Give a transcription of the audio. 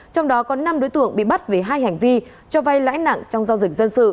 trong đó có năm đối tượng bị bắt về hai hành vi cho vay lãi nặng trong giao dịch dân sự